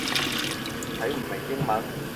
睇唔明英文